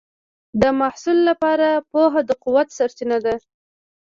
د محصل لپاره پوهه د قوت سرچینه ده.